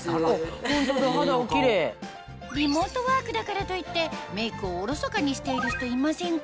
リモートワークだからといってメイクをおろそかにしている人いませんか？